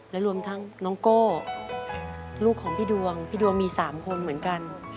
และรวมทั้งน้องโก้ลูกของพี่ดวงพี่ดวงมี๓คนเหมือนกัน